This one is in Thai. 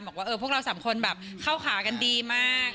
บอกว่าเธอพวกเรา๓คนเข้าขากันดีมาก